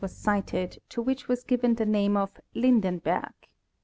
221 was sighted, to which was given the name of Lindenberg.